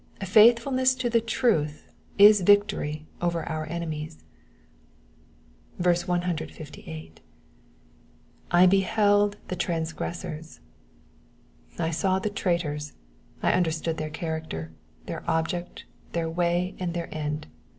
Faithfulness to the truth is victory over our enemies. 158. / beheld the transgressors.'*'* I saw the traitors ; I understood their character, tlieir object, their way, and their end.